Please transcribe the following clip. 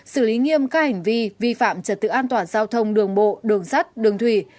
xử lý nghiêm các hành vi vi phạm trật tự an toàn giao thông đường bộ đường sắt đường thủy